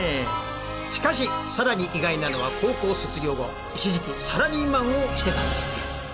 しかしさらに意外なのは高校卒業後一時期サラリーマンをしてたんですって。